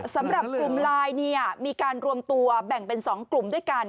สำหรับกลุ่มไลน์มีการรวมตัวแบ่งเป็น๒กลุ่มด้วยกัน